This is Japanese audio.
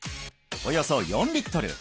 およそ４リットル